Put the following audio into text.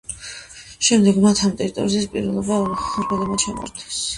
შემდეგ მათ, ამ ტერიტორიაზე პირველობა ორბელებმა ჩამოართვეს.